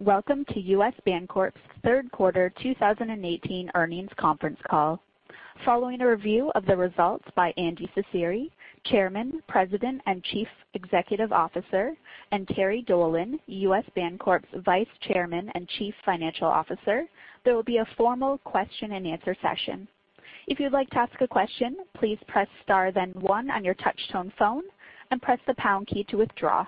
Welcome to U.S. Bancorp's third quarter 2018 earnings conference call. Following a review of the results by Andrew Cecere, Chairman, President, and Chief Executive Officer, and Terrance Dolan, U.S. Bancorp's Vice Chairman and Chief Financial Officer, there will be a formal question-and-answer session. If you'd like to ask a question, please press star then one on your touch-tone phone and press the pound key to withdraw.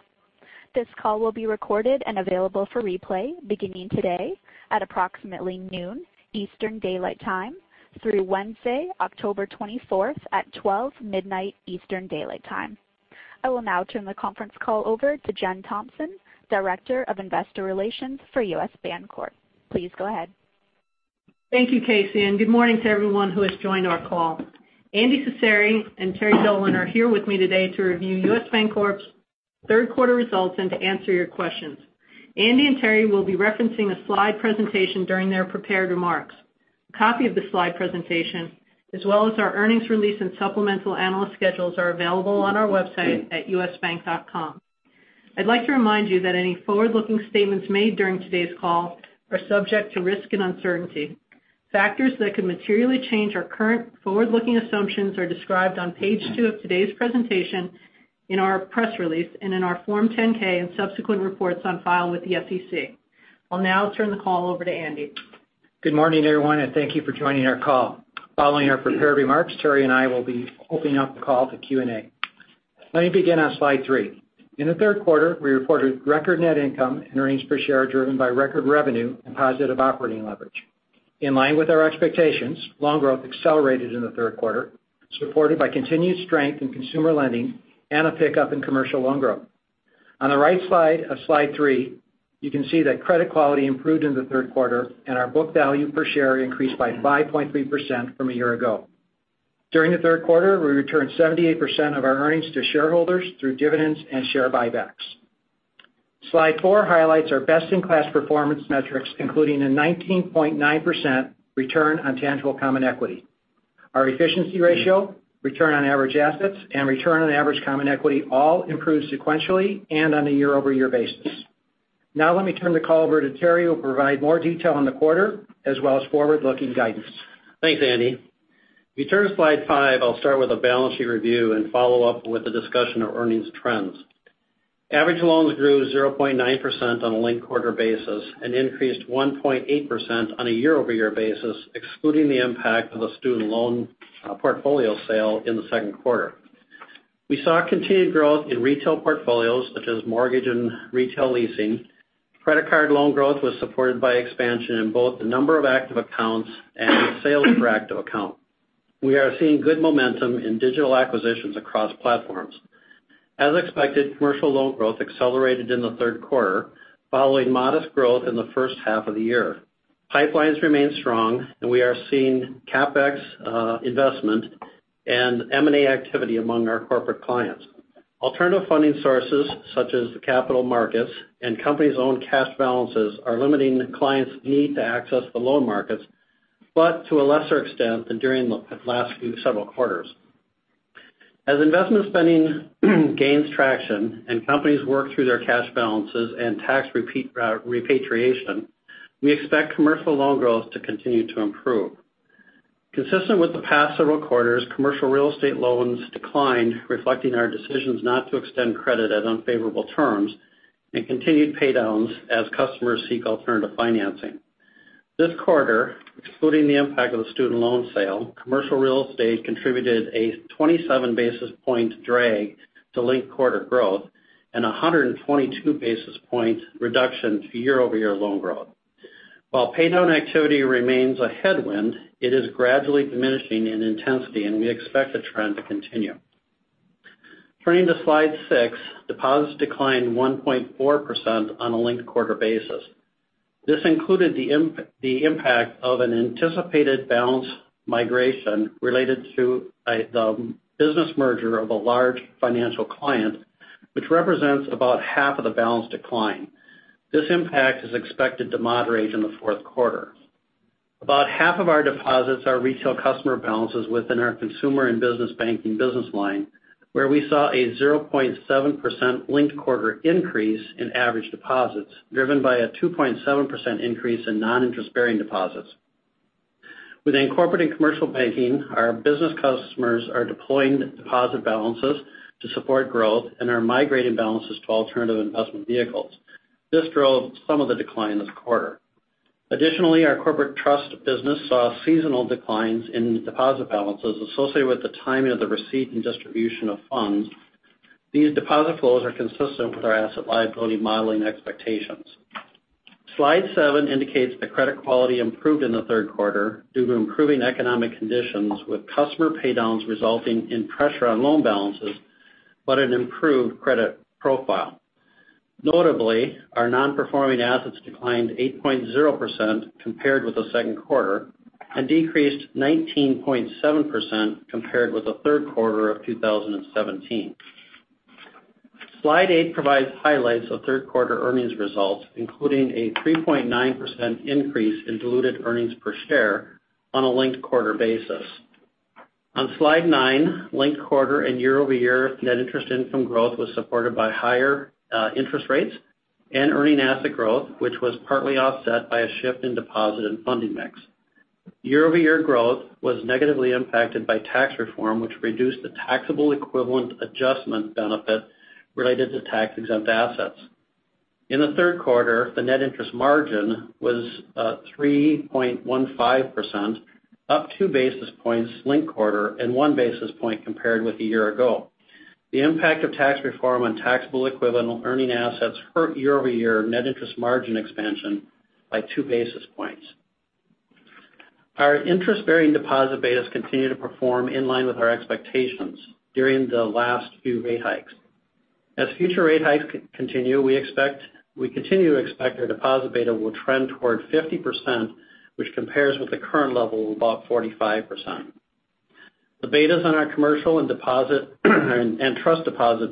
This call will be recorded and available for replay beginning today at approximately noon Eastern Daylight Time through Wednesday, October 24th, at 12 midnight Eastern Daylight Time. I will now turn the conference call over to Jennifer Thompson, Director of Investor Relations for U.S. Bancorp. Please go ahead. Thank you, Casey, and good morning to everyone who has joined our call. Andrew Cecere and Terrance Dolan are here with me today to review U.S. Bancorp's third quarter results and to answer your questions. Andy and Terry will be referencing a slide presentation during their prepared remarks. A copy of the slide presentation, as well as our earnings release and supplemental analyst schedules, are available on our website at usbank.com. I'd like to remind you that any forward-looking statements made during today's call are subject to risk and uncertainty. Factors that could materially change our current forward-looking assumptions are described on page two of today's presentation in our press release and in our Form 10-K and subsequent reports on file with the SEC. I'll now turn the call over to Andy. Good morning, everyone, and thank you for joining our call. Following our prepared remarks, Terry and I will be opening up the call to Q&A. Let me begin on slide three. In the third quarter, we reported record net income and earnings per share driven by record revenue and positive operating leverage. In line with our expectations, loan growth accelerated in the third quarter, supported by continued strength in consumer lending and a pickup in commercial loan growth. On the right side of slide three, you can see that credit quality improved in the third quarter, and our book value per share increased by 5.3% from a year ago. During the third quarter, we returned 78% of our earnings to shareholders through dividends and share buybacks. Slide four highlights our best-in-class performance metrics, including a 19.9% return on tangible common equity. Our efficiency ratio, return on average assets, and return on average common equity all improved sequentially and on a year-over-year basis. Now let me turn the call over to Terry, who will provide more detail on the quarter as well as forward-looking guidance. Thanks, Andy. If we turn to slide five, I'll start with a balance sheet review and follow up with a discussion of earnings trends. Average loans grew 0.9% on a linked-quarter basis and increased 1.8% on a year-over-year basis, excluding the impact of a student loan portfolio sale in the second quarter. We saw continued growth in retail portfolios such as mortgage and retail leasing. Credit card loan growth was supported by expansion in both the number of active accounts and the sales per active account. We are seeing good momentum in digital acquisitions across platforms. As expected, commercial loan growth accelerated in the third quarter following modest growth in the first half of the year. Pipelines remain strong, and we are seeing CapEx investment and M&A activity among our corporate clients. Alternative funding sources, such as the capital markets and companies' own cash balances, are limiting clients' need to access the loan markets, but to a lesser extent than during the last few several quarters. As investment spending gains traction and companies work through their cash balances and tax repatriation, we expect commercial loan growth to continue to improve. Consistent with the past several quarters, commercial real estate loans declined, reflecting our decisions not to extend credit at unfavorable terms and continued paydowns as customers seek alternative financing. This quarter, excluding the impact of the student loan sale, commercial real estate contributed a 27-basis-point drag to linked-quarter growth and 122-basis-point reduction to year-over-year loan growth. While paydown activity remains a headwind, it is gradually diminishing in intensity, and we expect the trend to continue. Turning to slide six, deposits declined 1.4% on a linked-quarter basis. This included the impact of an anticipated balance migration related to the business merger of a large financial client, which represents about half of the balance decline. This impact is expected to moderate in the fourth quarter. About half of our deposits are retail customer balances within our consumer and business banking business line, where we saw a 0.7% linked-quarter increase in average deposits, driven by a 2.7% increase in non-interest-bearing deposits. Within corporate and commercial banking, our business customers are deploying deposit balances to support growth and are migrating balances to alternative investment vehicles. This drove some of the decline this quarter. Additionally, our corporate trust business saw seasonal declines in deposit balances associated with the timing of the receipt and distribution of funds. These deposit flows are consistent with our asset liability modeling expectations. Slide seven indicates that credit quality improved in the third quarter due to improving economic conditions, with customer paydowns resulting in pressure on loan balances but an improved credit profile. Notably, our non-performing assets declined 8.0% compared with the second quarter and decreased 19.7% compared with the third quarter of 2017. Slide eight provides highlights of third-quarter earnings results, including a 3.9% increase in diluted earnings per share on a linked-quarter basis. On Slide nine, linked quarter and year-over-year net interest income growth was supported by higher interest rates and earning asset growth, which was partly offset by a shift in deposit and funding mix. Year-over-year growth was negatively impacted by tax reform, which reduced the taxable equivalent adjustment benefit related to tax-exempt assets. In the third quarter, the net interest margin was 3.15%, up two basis points linked quarter and one basis point compared with a year ago. The impact of tax reform on taxable equivalent earning assets hurt year-over-year net interest margin expansion by two basis points. Our interest-bearing deposit betas continue to perform in line with our expectations during the last few rate hikes. As future rate hikes continue, we continue to expect our deposit beta will trend toward 50%, which compares with the current level of about 45%. The betas on our commercial and trust deposit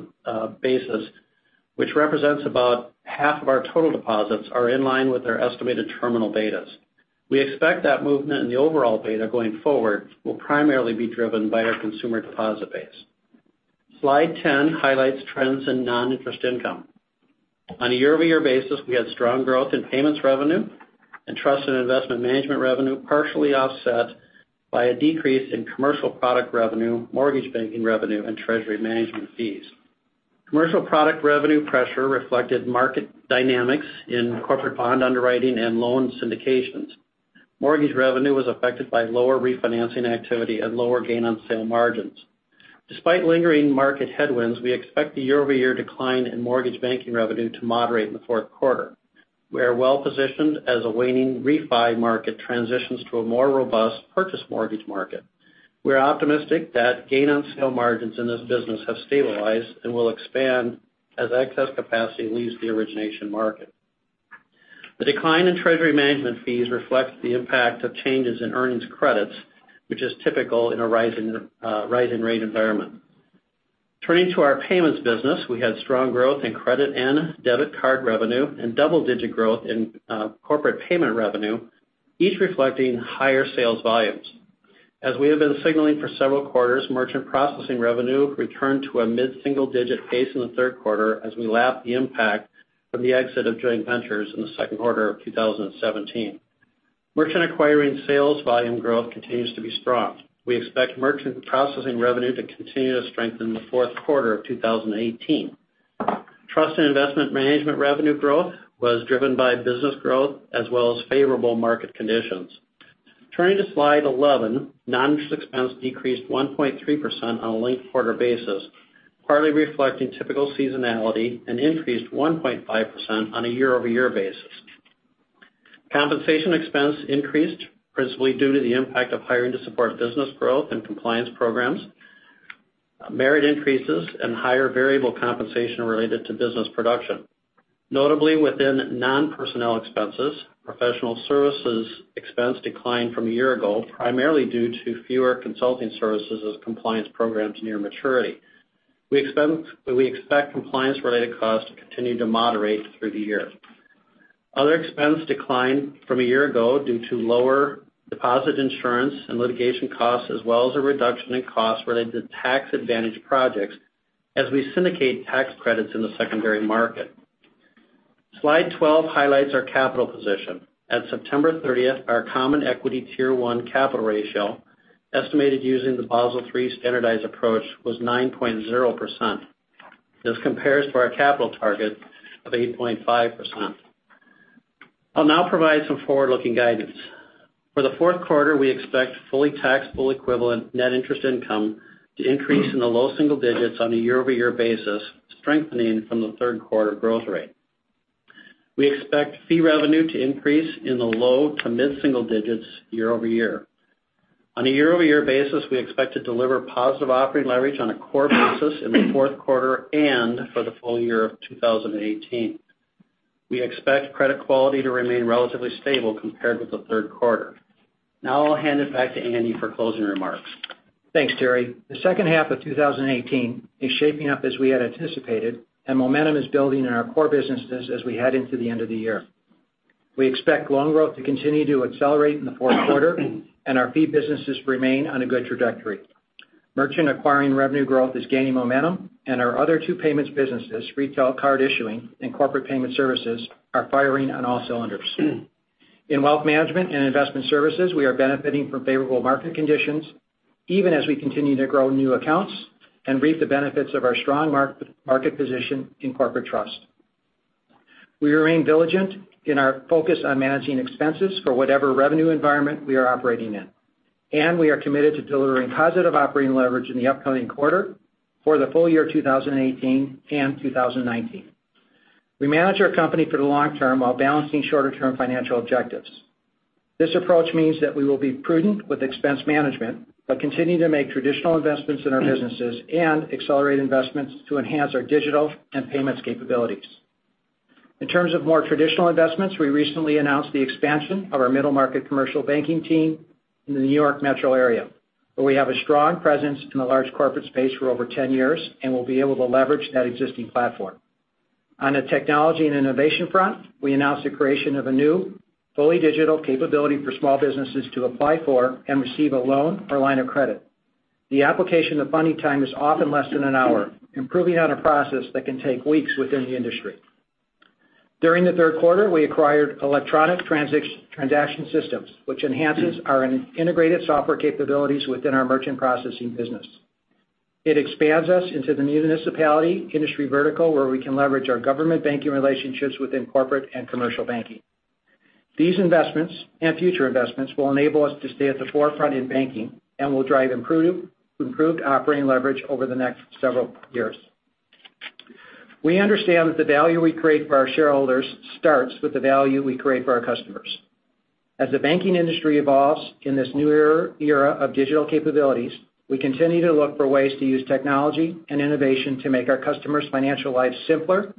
bases, which represents about half of our total deposits, are in line with our estimated terminal betas. We expect that movement in the overall beta going forward will primarily be driven by our consumer deposit base. Slide 10 highlights trends in non-interest income. On a year-over-year basis, we had strong growth in payments revenue and trust and investment management revenue, partially offset by a decrease in commercial product revenue, mortgage banking revenue, and treasury management fees. Commercial product revenue pressure reflected market dynamics in corporate bond underwriting and loan syndications. Mortgage revenue was affected by lower refinancing activity and lower gain on sale margins. Despite lingering market headwinds, we expect the year-over-year decline in mortgage banking revenue to moderate in the fourth quarter. We are well-positioned as a waning refi market transitions to a more robust purchase mortgage market. We are optimistic that gain on sale margins in this business have stabilized and will expand as excess capacity leaves the origination market. The decline in treasury management fees reflects the impact of changes in earnings credits, which is typical in a rise in rate environment. Turning to our payments business, we had strong growth in credit and debit card revenue and double-digit growth in corporate payment revenue, each reflecting higher sales volumes. As we have been signaling for several quarters, merchant processing revenue returned to a mid-single-digit pace in the third quarter as we lap the impact from the exit of joint ventures in the second quarter of 2017. Merchant acquiring sales volume growth continues to be strong. We expect merchant processing revenue to continue to strengthen in the fourth quarter of 2018. Trust and investment management revenue growth was driven by business growth as well as favorable market conditions. Turning to Slide 11, non-interest expense decreased 1.3% on a linked-quarter basis, partly reflecting typical seasonality and increased 1.5% on a year-over-year basis. Compensation expense increased principally due to the impact of hiring to support business growth and compliance programs, merit increases, and higher variable compensation related to business production. Notably within non-personnel expenses, professional services expense declined from a year ago, primarily due to fewer consulting services as compliance programs near maturity. We expect compliance-related costs to continue to moderate through the year. Other expense declined from a year ago due to lower deposit insurance and litigation costs, as well as a reduction in costs related to tax-advantaged projects as we syndicate tax credits in the secondary market. Slide 12 highlights our capital position. At September 30th, our Common Equity Tier 1 capital ratio, estimated using the Basel III standardized approach, was 9.0%. This compares to our capital target of 8.5%. I'll now provide some forward-looking guidance. For the fourth quarter, we expect fully taxable equivalent net interest income to increase in the low single digits on a year-over-year basis, strengthening from the third quarter growth rate. We expect fee revenue to increase in the low to mid-single digits year-over-year. On a year-over-year basis, we expect to deliver positive operating leverage on a core basis in the fourth quarter and for the full year of 2018. We expect credit quality to remain relatively stable compared with the third quarter. Now I'll hand it back to Andy for closing remarks. Thanks, Terry. The second half of 2018 is shaping up as we had anticipated. Momentum is building in our core businesses as we head into the end of the year. We expect loan growth to continue to accelerate in the fourth quarter. Our fee businesses remain on a good trajectory. Merchant acquiring revenue growth is gaining momentum. Our other two payments businesses, retail card issuing and corporate payment services, are firing on all cylinders. In wealth management and investment services, we are benefiting from favorable market conditions, even as we continue to grow new accounts and reap the benefits of our strong market position in corporate trust. We remain diligent in our focus on managing expenses for whatever revenue environment we are operating in. We are committed to delivering positive operating leverage in the upcoming quarter, for the full year 2018 and 2019. We manage our company for the long term while balancing shorter-term financial objectives. This approach means that we will be prudent with expense management but continue to make traditional investments in our businesses and accelerate investments to enhance our digital and payments capabilities. In terms of more traditional investments, we recently announced the expansion of our middle-market commercial banking team in the New York metro area, where we have a strong presence in the large corporate space for over 10 years and will be able to leverage that existing platform. On the technology and innovation front, we announced the creation of a new fully digital capability for small businesses to apply for and receive a loan or line of credit. The application to funding time is often less than an hour, improving on a process that can take weeks within the industry. During the third quarter, we acquired Electronic Transaction Systems, which enhances our integrated software capabilities within our merchant processing business. It expands us into the new municipality industry vertical, where we can leverage our government banking relationships within corporate and commercial banking. These investments and future investments will enable us to stay at the forefront in banking and will drive improved operating leverage over the next several years. We understand that the value we create for our shareholders starts with the value we create for our customers. As the banking industry evolves in this new era of digital capabilities, we continue to look for ways to use technology and innovation to make our customers' financial lives simpler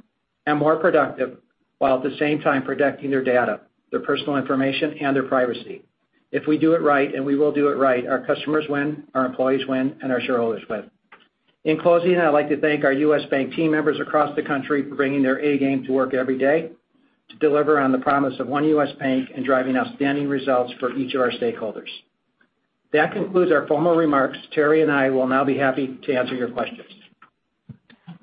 and more productive, while at the same time protecting their data, their personal information, and their privacy. If we do it right, and we will do it right, our customers win, our employees win, and our shareholders win. In closing, I'd like to thank our U.S. Bank team members across the country for bringing their A-game to work every day to deliver on the promise of One U.S. Bank and driving outstanding results for each of our stakeholders. That concludes our formal remarks. Terry and I will now be happy to answer your questions.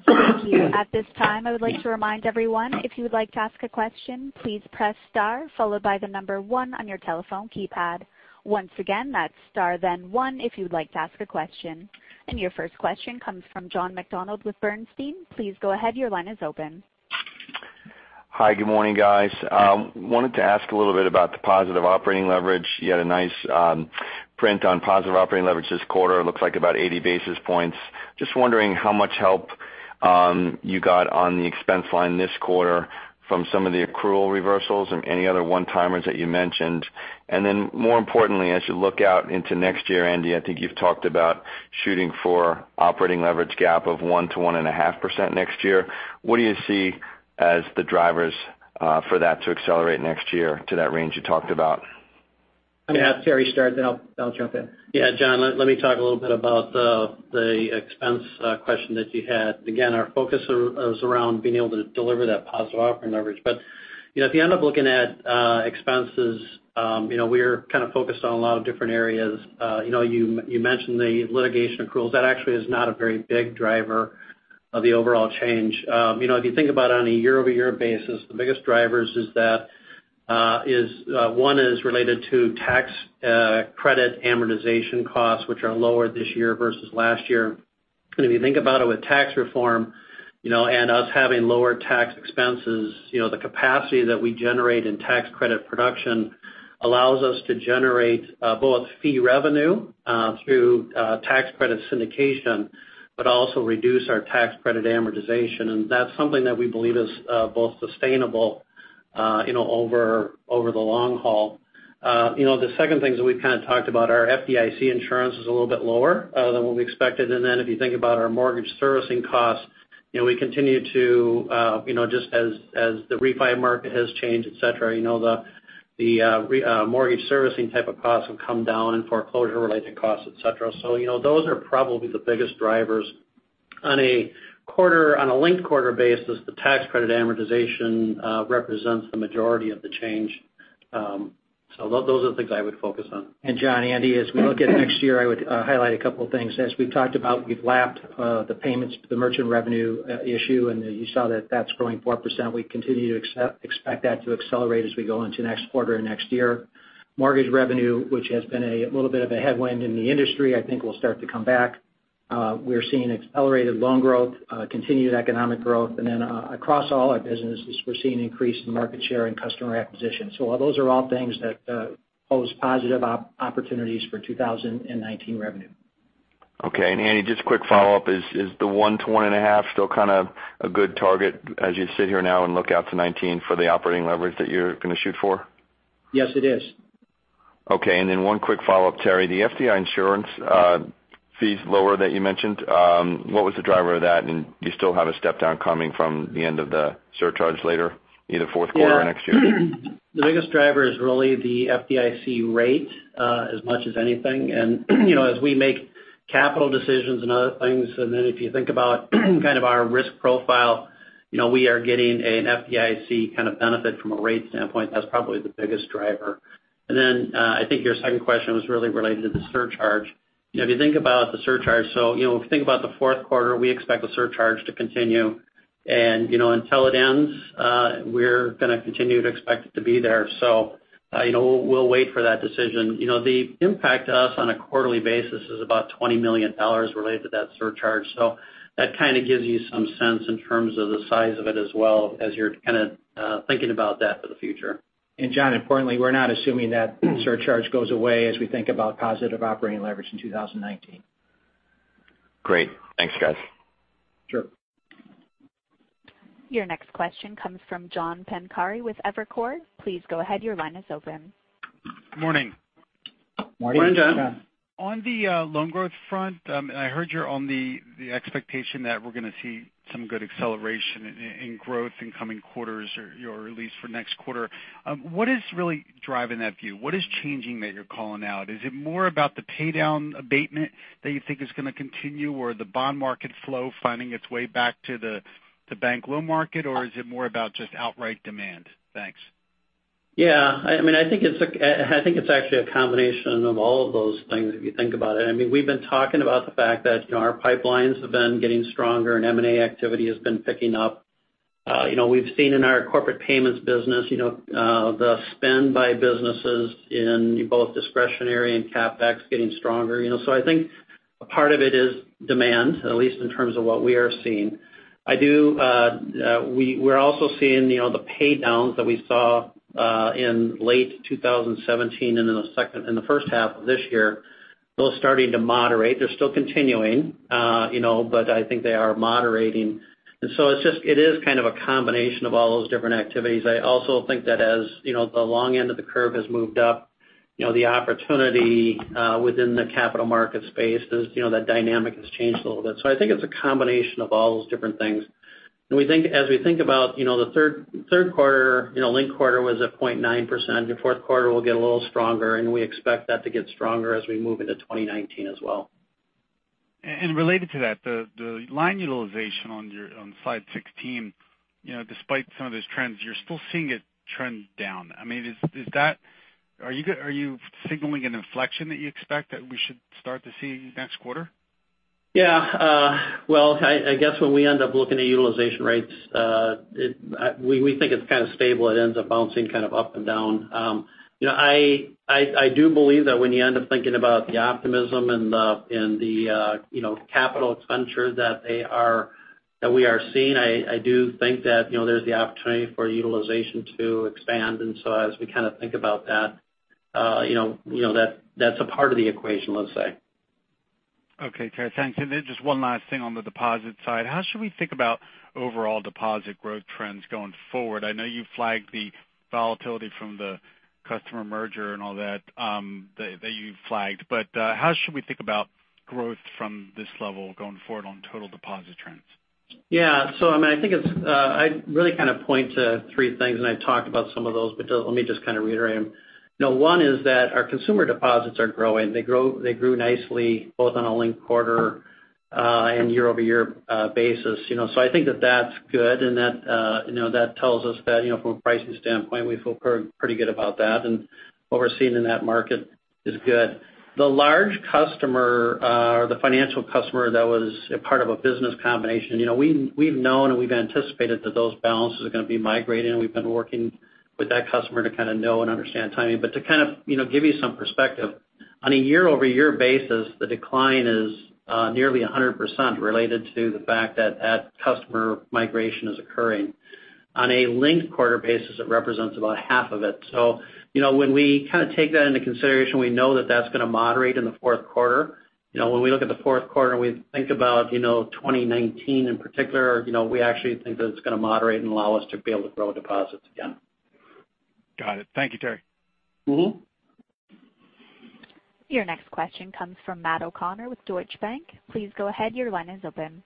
Thank you. At this time, I would like to remind everyone, if you would like to ask a question, please press star followed by the number one on your telephone keypad. Once again, that's star then one if you would like to ask a question. Your first question comes from John McDonald with Bernstein. Please go ahead, your line is open. Hi, good morning, guys. Wanted to ask a little bit about the positive operating leverage. You had a nice print on positive operating leverage this quarter. It looks like about 80 basis points. Just wondering how much help you got on the expense line this quarter from some of the accrual reversals and any other one-timers that you mentioned. More importantly, as you look out into next year, Andy, I think you've talked about shooting for operating leverage gap of 1% to 1.5% next year. What do you see as the drivers for that to accelerate next year to that range you talked about? I'm going to ask Terry to start, I'll jump in. Yeah, John, let me talk a little bit about the expense question that you had. Again, our focus is around being able to deliver that positive operating leverage. If you end up looking at expenses, we're focused on a lot of different areas. You mentioned the litigation accruals. That actually is not a very big driver of the overall change. If you think about it on a year-over-year basis, the biggest drivers is that one is related to tax credit amortization costs, which are lower this year versus last year. If you think about it with tax reform and us having lower tax expenses, the capacity that we generate in tax credit production allows us to generate both fee revenue through tax credit syndication, but also reduce our tax credit amortization. That's something that we believe is both sustainable over the long haul. The second thing that we've talked about are FDIC insurance is a little bit lower than what we expected. If you think about our mortgage servicing costs, we continue to, just as the refi market has changed, et cetera, the mortgage servicing type of costs have come down and foreclosure-related costs, et cetera. Those are probably the biggest drivers. On a linked-quarter basis, the tax credit amortization represents the majority of the change. Those are the things I would focus on. John, Andy, as we look at next year, I would highlight a couple of things. As we've talked about, we've lapped the payments to the merchant revenue issue, and you saw that that's growing 4%. We continue to expect that to accelerate as we go into next quarter and next year. Mortgage revenue, which has been a little bit of a headwind in the industry, I think, will start to come back. We're seeing accelerated loan growth, continued economic growth, and then across all our businesses, we're seeing increased market share and customer acquisition. Those are all things that pose positive opportunities for 2019 revenue. Okay. Andy, just a quick follow-up. Is the 1%-1.5% still a good target as you sit here now and look out to 2019 for the operating leverage that you're going to shoot for? Yes, it is. Okay. Then one quick follow-up, Terry. The FDIC insurance fees lower that you mentioned, what was the driver of that? Do you still have a step down coming from the end of the surcharge later, either fourth quarter or next year? The biggest driver is really the FDIC rate as much as anything. As we make capital decisions and other things, then if you think about our risk profile, we are getting an FDIC benefit from a rate standpoint. That's probably the biggest driver. Then I think your second question was really related to the surcharge. If you think about the surcharge, if you think about the fourth quarter, we expect the surcharge to continue. Until it ends, we're going to continue to expect it to be there. We'll wait for that decision. The impact to us on a quarterly basis is about $20 million related to that surcharge. That gives you some sense in terms of the size of it as well as you're thinking about that for the future. John, importantly, we're not assuming that surcharge goes away as we think about positive operating leverage in 2019. Great. Thanks, guys. Sure. Your next question comes from John Pancari with Evercore. Please go ahead, your line is open. Morning. Morning, John. Morning, John. On the loan growth front, I heard you're on the expectation that we're going to see some good acceleration in growth in coming quarters or at least for next quarter. What is really driving that view? What is changing that you're calling out? Is it more about the paydown abatement that you think is going to continue, or the bond market flow finding its way back to the bank loan market, or is it more about just outright demand? Thanks. Yeah. I think it's actually a combination of all of those things if you think about it. We've been talking about the fact that our pipelines have been getting stronger and M&A activity has been picking up. We've seen in our corporate payments business, the spend by businesses in both discretionary and CapEx getting stronger. I think a part of it is demand, at least in terms of what we are seeing. We're also seeing the pay-downs that we saw in late 2017 and in the first half of this year, those starting to moderate. They're still continuing, but I think they are moderating. It is kind of a combination of all those different activities. I also think that as the long end of the curve has moved up, the opportunity within the capital market space, that dynamic has changed a little bit. I think it's a combination of all those different things. As we think about the third quarter, linked quarter was at 0.9%, your fourth quarter will get a little stronger, and we expect that to get stronger as we move into 2019 as well. Related to that, the line utilization on slide 16, despite some of those trends, you're still seeing it trend down. Are you signaling an inflection that you expect that we should start to see next quarter? Yeah. Well, I guess when we end up looking at utilization rates, we think it's kind of stable. It ends up bouncing kind of up and down. I do believe that when you end up thinking about the optimism and the capital expenditure that we are seeing, I do think that there's the opportunity for utilization to expand. As we kind of think about that's a part of the equation, let's say. Okay, Terry. Thanks. Just one last thing on the deposit side. How should we think about overall deposit growth trends going forward? I know you flagged the volatility from the customer merger and all that you flagged, but how should we think about growth from this level going forward on total deposit trends? Yeah. I'd really kind of point to three things, and I've talked about some of those, but let me just reiterate them. One is that our consumer deposits are growing. They grew nicely both on a linked quarter and year-over-year basis. I think that that's good, and that tells us that from a pricing standpoint, we feel pretty good about that, and what we're seeing in that market is good. The large customer, or the financial customer that was a part of a business combination, we've known and we've anticipated that those balances are going to be migrating, and we've been working with that customer to kind of know and understand timing. To kind of give you some perspective, on a year-over-year basis, the decline is nearly 100% related to the fact that that customer migration is occurring. On a linked quarter basis, it represents about half of it. When we kind of take that into consideration, we know that that's going to moderate in the fourth quarter. When we look at the fourth quarter and we think about 2019 in particular, we actually think that it's going to moderate and allow us to be able to grow deposits again. Got it. Thank you, Terry. Your next question comes from Matt O'Connor with Deutsche Bank. Please go ahead, your line is open.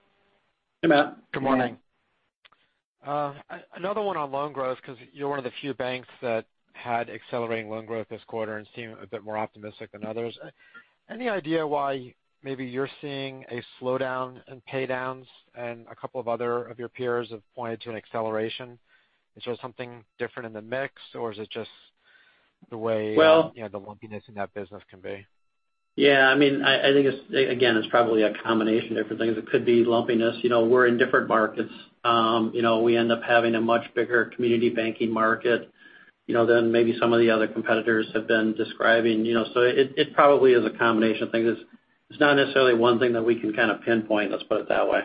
Hey, Matt. Good morning. Good morning. Another one on loan growth, because you're one of the few banks that had accelerating loan growth this quarter and seem a bit more optimistic than others. Any idea why maybe you're seeing a slowdown in paydowns and a couple of other of your peers have pointed to an acceleration? Is there something different in the mix, or is it just the way? Well- the lumpiness in that business can be? Yeah, I think it's, again, it's probably a combination of different things. It could be lumpiness. We're in different markets. We end up having a much bigger community banking market than maybe some of the other competitors have been describing. It probably is a combination of things. It's not necessarily one thing that we can kind of pinpoint, let's put it that way.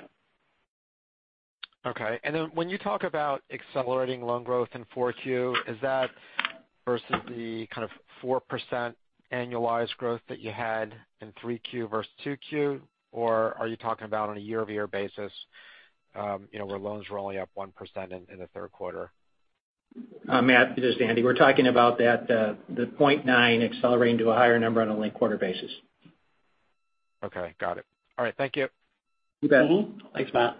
Okay. When you talk about accelerating loan growth in 4Q, is that versus the kind of 4% annualized growth that you had in 3Q versus 2Q? Or are you talking about on a year-over-year basis where loans were only up 1% in the third quarter? Matt, this is Andy. We're talking about the 0.9 accelerating to a higher number on a linked-quarter basis. Okay, got it. All right, thank you. You bet. Thanks, Matt.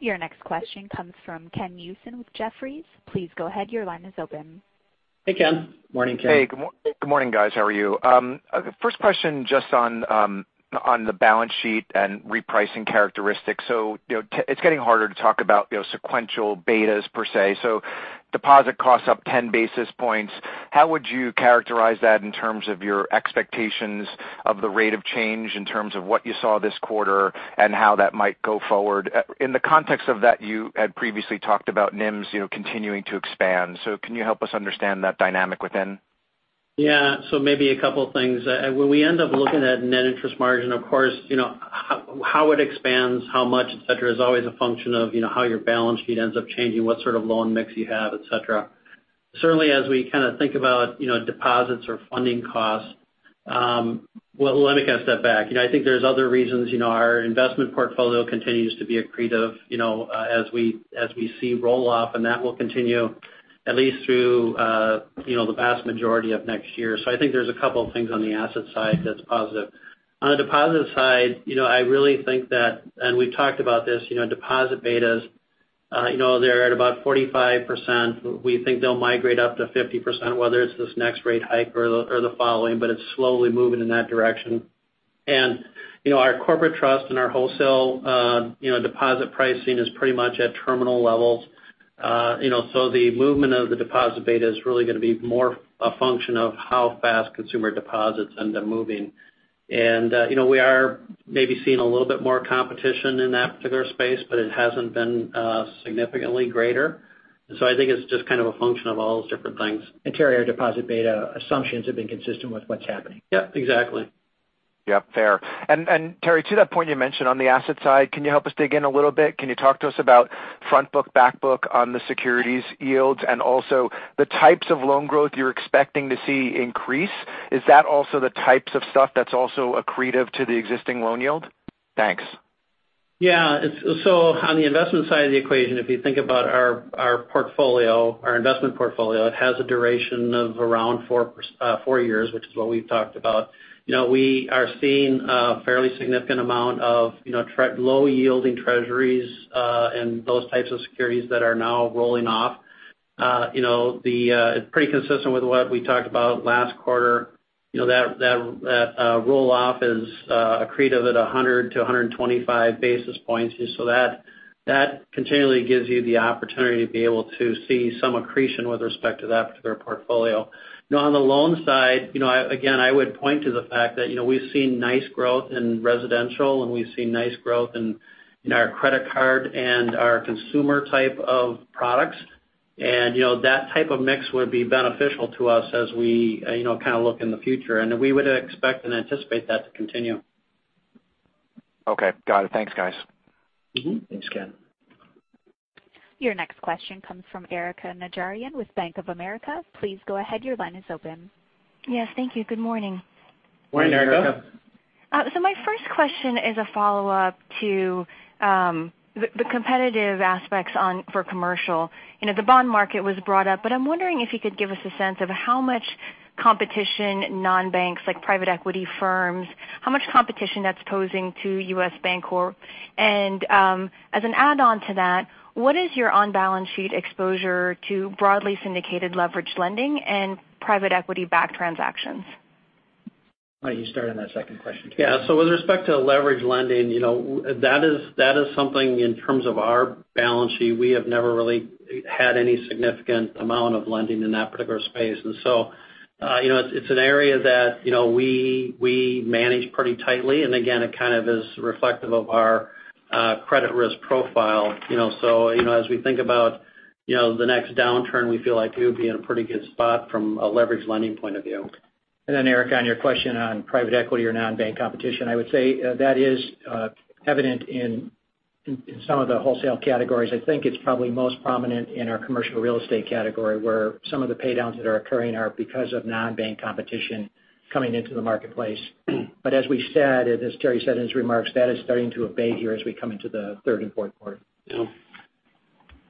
Your next question comes from Ken Usdin with Jefferies. Please go ahead, your line is open. Hey, Ken. Morning, Ken. Hey, good morning, guys. How are you? First question just on the balance sheet and repricing characteristics. It's getting harder to talk about sequential betas, per se. Deposit costs up 10 basis points. How would you characterize that in terms of your expectations of the rate of change in terms of what you saw this quarter and how that might go forward? In the context of that, you had previously talked about NIMs continuing to expand. Can you help us understand that dynamic within? Yeah. Maybe a couple things. When we end up looking at net interest margin, of course, how it expands, how much, et cetera, is always a function of how your balance sheet ends up changing, what sort of loan mix you have, et cetera. Certainly, as we kind of think about deposits or funding costs, well, let me kind of step back. I think there's other reasons our investment portfolio continues to be accretive as we see roll-off, and that will continue at least through the vast majority of next year. I think there's a couple of things on the asset side that's positive. On the deposit side, I really think that, and we've talked about this, deposit betas, they're at about 45%. We think they'll migrate up to 50%, whether it's this next rate hike or the following, but it's slowly moving in that direction. Our corporate trust and our wholesale deposit pricing is pretty much at terminal levels. The movement of the deposit beta is really going to be more a function of how fast consumer deposits end up moving. We are maybe seeing a little bit more competition in that particular space, but it hasn't been significantly greater. I think it's just kind of a function of all those different things. Internal deposit beta assumptions have been consistent with what's happening. Yep, exactly. Yep, fair. Terry, to that point you mentioned on the asset side, can you help us dig in a little bit? Can you talk to us about front book, back book on the securities yields and also the types of loan growth you're expecting to see increase? Is that also the types of stuff that's also accretive to the existing loan yield? Thanks. Yeah. On the investment side of the equation, if you think about our investment portfolio, it has a duration of around four years, which is what we've talked about. We are seeing a fairly significant amount of low-yielding treasuries, and those types of securities that are now rolling off. It's pretty consistent with what we talked about last quarter. That roll-off is accretive at 100-125 basis points. That continually gives you the opportunity to be able to see some accretion with respect to that particular portfolio. Now, on the loan side, again, I would point to the fact that we've seen nice growth in residential, and we've seen nice growth in our credit card and our consumer type of products. That type of mix would be beneficial to us as we kind of look in the future. We would expect and anticipate that to continue. Okay, got it. Thanks, guys. Thanks, Ken. Your next question comes from Erika Najarian with Bank of America. Please go ahead, your line is open. Yes, thank you. Good morning. Morning, Erika. Morning, Erika. My first question is a follow-up to the competitive aspects for commercial. The bond market was brought up, but I'm wondering if you could give us a sense of how much competition non-banks like private equity firms, how much competition that's posing to U.S. Bancorp. As an add-on to that, what is your on-balance sheet exposure to broadly syndicated leverage lending and private equity-backed transactions? Why don't you start on that second question, Terry? With respect to leverage lending, that is something in terms of our balance sheet, we have never really had any significant amount of lending in that particular space. It's an area that we manage pretty tightly. Again, it kind of is reflective of our credit risk profile. As we think about the next downturn, we feel like we would be in a pretty good spot from a leverage lending point of view. Erika, on your question on private equity or non-bank competition, I would say that is evident in some of the wholesale categories. I think it's probably most prominent in our commercial real estate category where some of the pay-downs that are occurring are because of non-bank competition coming into the marketplace. As we said, and as Terry said in his remarks, that is starting to abate here as we come into the third and fourth quarter. Yeah.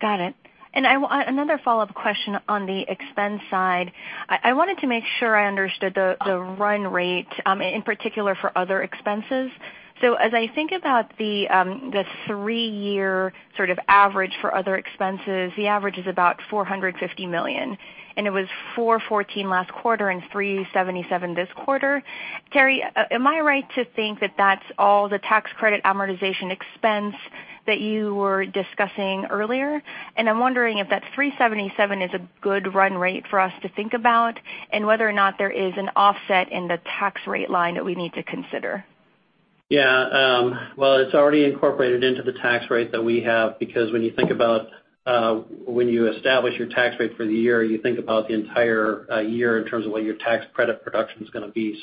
Got it. Another follow-up question on the expense side. I wanted to make sure I understood the run rate, in particular for other expenses. As I think about the three-year sort of average for other expenses, the average is about $450 million, and it was $414 last quarter and $377 this quarter. Terry, am I right to think that that's all the tax credit amortization expense that you were discussing earlier? I'm wondering if that $377 is a good run rate for us to think about, and whether or not there is an offset in the tax rate line that we need to consider. Yeah. Well, it's already incorporated into the tax rate that we have because when you think about when you establish your tax rate for the year, you think about the entire year in terms of what your tax credit production's going to be.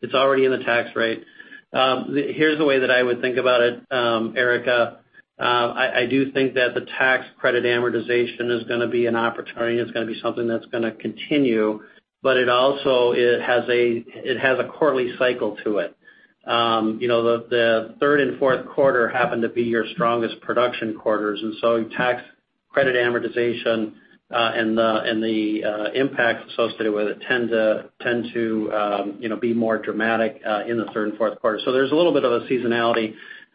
It's already in the tax rate. Here's the way that I would think about it, Erika. I do think that the tax credit amortization is going to be an opportunity, and it's going to be something that's going to continue, but it also has a quarterly cycle to it. The third and fourth quarter happen to be your strongest production quarters. Tax credit amortization, and the impact associated with it tend to be more dramatic in the third and fourth quarter. There's a little bit of a seasonality.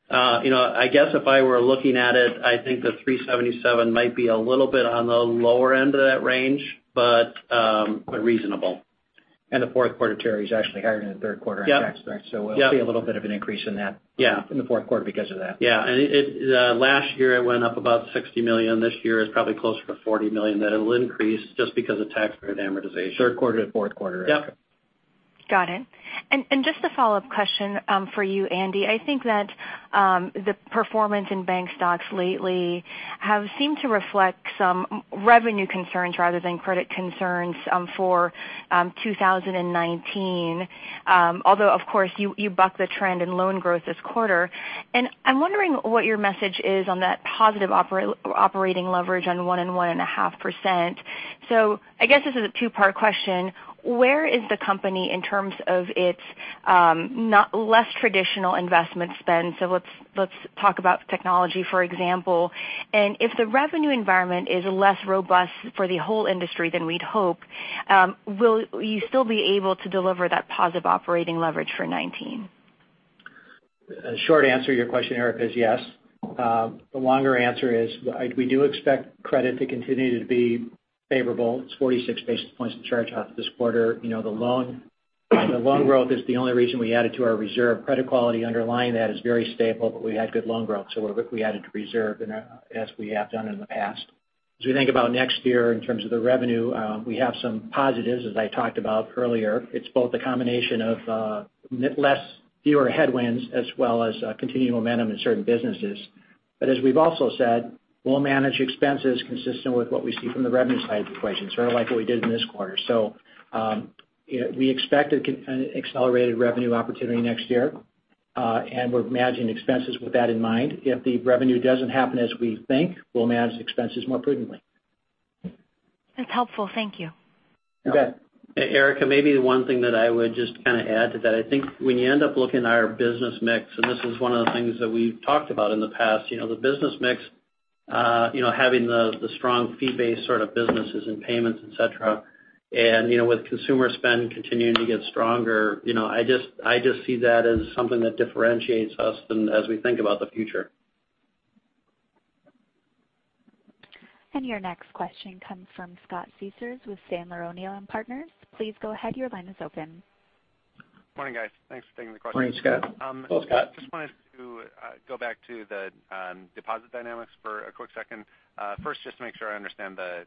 I guess if I were looking at it, I think the $377 might be a little bit on the lower end of that range, but reasonable. The fourth quarter, Terry, is actually higher than the third quarter in tax credits. Yep. We'll see a little bit of an increase in that. Yeah in the fourth quarter because of that. Yeah. Last year it went up about $60 million. This year it's probably closer to $40 million that it'll increase just because of tax credit amortization. Third quarter, fourth quarter. Yep. Okay. Got it. Just a follow-up question for you, Andy. I think that the performance in bank stocks lately have seemed to reflect some revenue concerns rather than credit concerns for 2019. Although of course you bucked the trend in loan growth this quarter. I'm wondering what your message is on that positive operating leverage on 1% and 1.5%. I guess this is a two-part question. Where is the company in terms of its less traditional investment spend? Let's talk about technology, for example. If the revenue environment is less robust for the whole industry than we'd hope, will you still be able to deliver that positive operating leverage for '19? The short answer to your question, Erika, is yes. The longer answer is, we do expect credit to continue to be favorable. It's 46 basis points to charge off this quarter. The loan growth is the only reason we added to our reserve. Credit quality underlying that is very stable, but we had good loan growth, so we added to reserve as we have done in the past. As we think about next year in terms of the revenue, we have some positives, as I talked about earlier. It's both a combination of fewer headwinds as well as continued momentum in certain businesses. As we've also said, we'll manage expenses consistent with what we see from the revenue side of the equation, sort of like what we did in this quarter. We expect an accelerated revenue opportunity next year, and we're managing expenses with that in mind. If the revenue doesn't happen as we think, we'll manage expenses more prudently. That's helpful. Thank you. You bet. Erika, maybe the one thing that I would just kind of add to that, I think when you end up looking at our business mix, and this is one of the things that we've talked about in the past. The business mix having the strong fee-based sort of businesses and payments, et cetera, and with consumer spend continuing to get stronger, I just see that as something that differentiates us as we think about the future. Your next question comes from Scott Siefers with Sandler O'Neill + Partners. Please go ahead. Your line is open. Morning, guys. Thanks for taking the question. Morning, Scott. Hello, Scott. Wanted to go back to the deposit dynamics for a quick second. First, just to make sure I understand the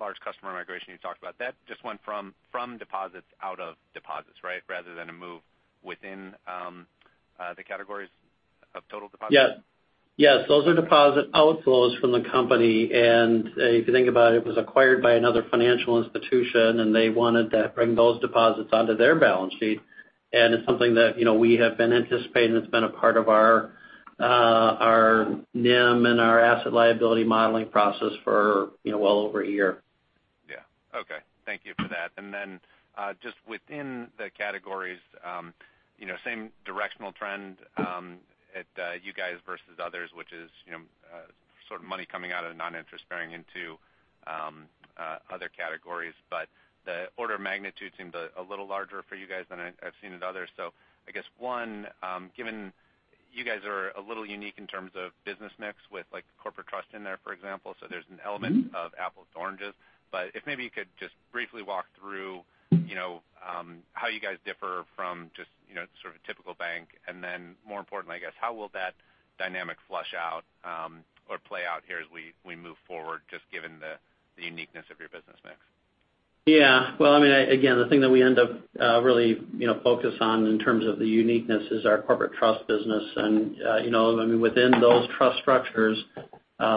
large customer migration you talked about. That just went from deposits out of deposits, right? Rather than a move within the categories of total deposits? Yes. Those are deposit outflows from the company, if you think about it was acquired by another financial institution, and they wanted to bring those deposits onto their balance sheet. It's something that we have been anticipating, that's been a part of our NIM and our asset liability modeling process for well over a year. Yeah. Okay. Thank you for that. Then just within the categories, same directional trend at you guys versus others, which is sort of money coming out of non-interest bearing into other categories. The order of magnitude seemed a little larger for you guys than I've seen with others. I guess, one, given you guys are a little unique in terms of business mix with corporate trust in there, for example, there's an element of apples to oranges. If maybe you could just briefly walk through how you guys differ from just sort of a typical bank. Then more importantly, I guess, how will that dynamic flush out or play out here as we move forward just given the uniqueness of your business mix? Yeah. Again, the thing that we end up really focused on in terms of the uniqueness is our corporate trust business. Within those trust structures,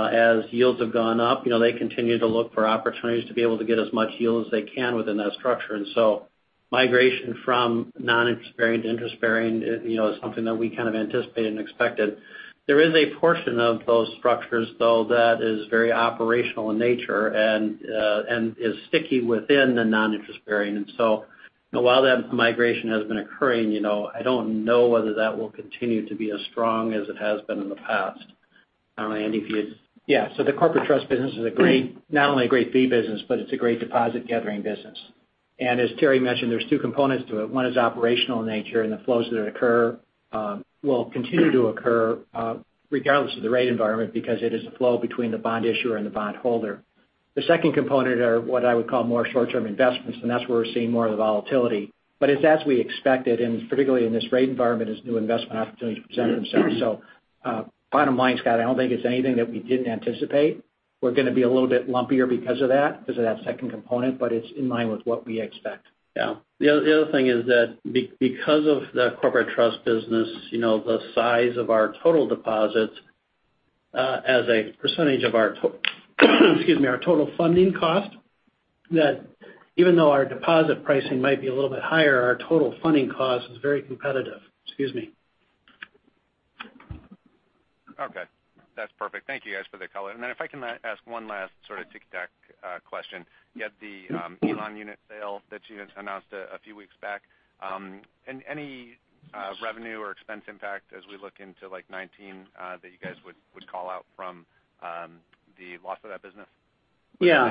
as yields have gone up, they continue to look for opportunities to be able to get as much yield as they can within that structure. Migration from non-interest bearing to interest bearing is something that we kind of anticipated and expected. There is a portion of those structures, though, that is very operational in nature and is sticky within the non-interest bearing. While that migration has been occurring, I don't know whether that will continue to be as strong as it has been in the past. I don't know, Andy, if you'd- Yeah. The corporate trust business is not only a great fee business, but it's a great deposit gathering business. As Terry mentioned, there's two components to it. One is operational in nature, and the flows that occur will continue to occur regardless of the rate environment because it is a flow between the bond issuer and the bond holder. The second component are what I would call more short-term investments, and that's where we're seeing more of the volatility. It's as we expected, and particularly in this rate environment, as new investment opportunities present themselves. Bottom line, Scott, I don't think it's anything that we didn't anticipate. We're going to be a little bit lumpier because of that second component, but it's in line with what we expect. Yeah. The other thing is that because of the corporate trust business, the size of our total deposits as a percentage of our total funding cost, that even though our deposit pricing might be a little bit higher, our total funding cost is very competitive. Excuse me. Okay. That's perfect. Thank you guys for the color. If I can ask one last sort of tic-tac question. You had the Elan unit sale that you had announced a few weeks back. Any revenue or expense impact as we look into 2019 that you guys would call out from the loss of that business? Yeah.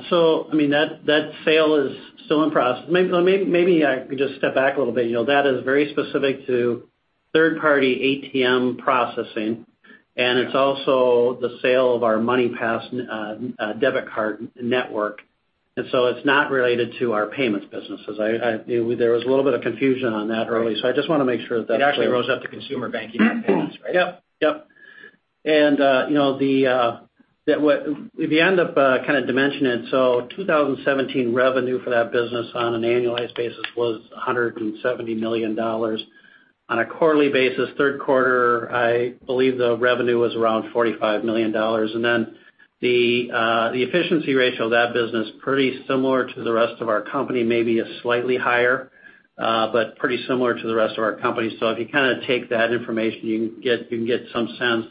That sale is still in process. Maybe I could just step back a little bit. That is very specific to third-party ATM processing, and it's also the sale of our MoneyPass debit card network. It's not related to our payments businesses. There was a little bit of confusion on that early, so I just want to make sure that that's clear. It actually rose up to consumer banking and payments, right? Yep. If you end up kind of dimensioning it, 2017 revenue for that business on an annualized basis was $170 million. On a quarterly basis, third quarter, I believe the revenue was around $45 million. The efficiency ratio of that business, pretty similar to the rest of our company, maybe slightly higher, but pretty similar to the rest of our company. If you kind of take that information, you can get some sense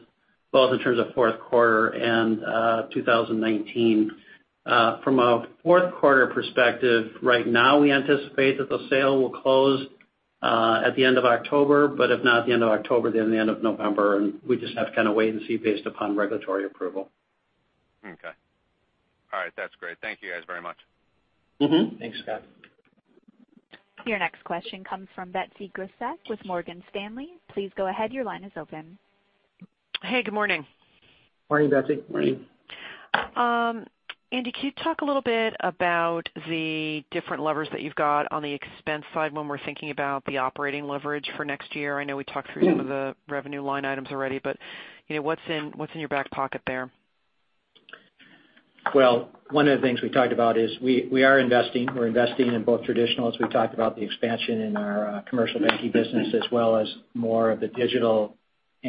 both in terms of fourth quarter and 2019. From a fourth quarter perspective, right now we anticipate that the sale will close at the end of October. But if not the end of October, then the end of November. We just have to kind of wait and see based upon regulatory approval. Okay. All right. That's great. Thank you guys very much. Thanks, Scott. Your next question comes from Betsy Graseck with Morgan Stanley. Please go ahead. Your line is open. Hey, good morning. Morning, Betsy. Morning. Andy, could you talk a little bit about the different levers that you've got on the expense side when we're thinking about the operating leverage for next year? I know we talked through some of the revenue line items already, what's in your back pocket there? One of the things we talked about is we are investing. We're investing in both traditional, as we talked about the expansion in our commercial banking business, as well as more of the digital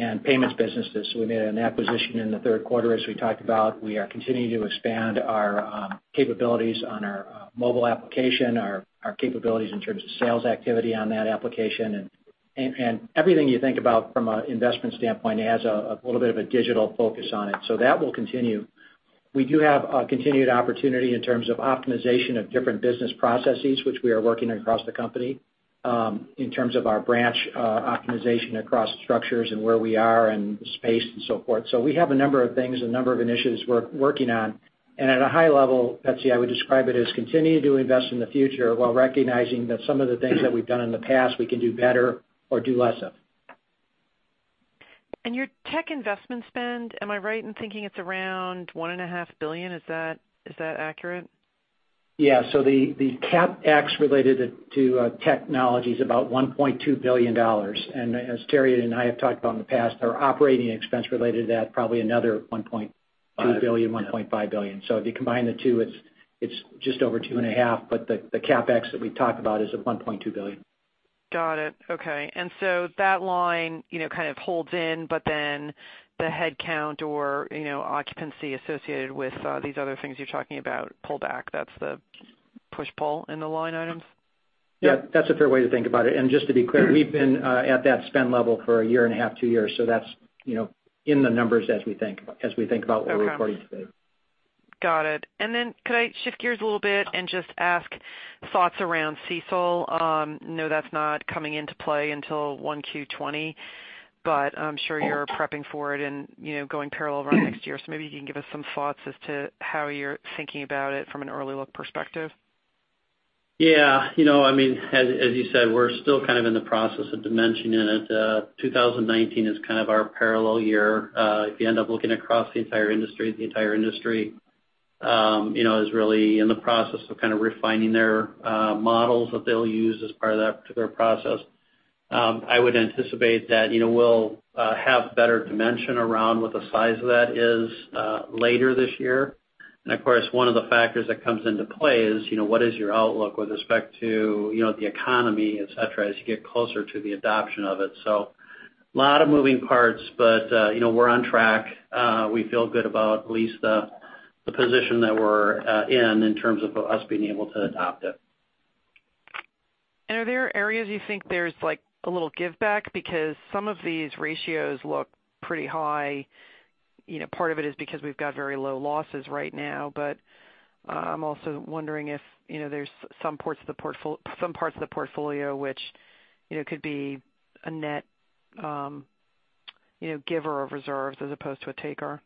and payments businesses. We made an acquisition in the third quarter, as we talked about. We are continuing to expand our capabilities on our mobile application, our capabilities in terms of sales activity on that application. Everything you think about from an investment standpoint has a little bit of a digital focus on it. That will continue. We do have a continued opportunity in terms of optimization of different business processes, which we are working across the company, in terms of our branch optimization across structures and where we are and the space and so forth. We have a number of things, a number of initiatives we're working on. At a high level, Betsy, I would describe it as continuing to invest in the future while recognizing that some of the things that we've done in the past, we can do better or do less of. Your tech investment spend, am I right in thinking it's around $1.5 billion? Is that accurate? The CapEx related to technology is about $1.2 billion. As Terry and I have talked about in the past, our operating expense related to that, probably another $1.2 billion, $1.5 billion. If you combine the two, it's just over two and a half. The CapEx that we talked about is at $1.2 billion. Got it. Okay. That line kind of holds in, the head count or occupancy associated with these other things you're talking about pull back. That's the push-pull in the line items? That's a fair way to think about it. Just to be clear, we've been at that spend level for a year and a half, two years. That's in the numbers as we think about what we're reporting today. Okay. Got it. Could I shift gears a little bit and just ask thoughts around CECL? Know that's not coming into play until 1Q20, I'm sure you're prepping for it and going parallel run next year. Maybe you can give us some thoughts as to how you're thinking about it from an early look perspective. Yeah. As you said, we're still kind of in the process of dimensioning it. 2019 is kind of our parallel year. If you end up looking across the entire industry, the entire industry is really in the process of kind of refining their models that they'll use as part of that particular process. I would anticipate that we'll have better dimension around what the size of that is later this year. Of course, one of the factors that comes into play is, what is your outlook with respect to the economy, et cetera, as you get closer to the adoption of it. A lot of moving parts, but we're on track. We feel good about at least the position that we're in in terms of us being able to adopt it. Are there areas you think there's a little give back? Because some of these ratios look pretty high. Part of it is because we've got very low losses right now, but I'm also wondering if there's some parts of the portfolio which could be a net giver of reserves as opposed to a taker.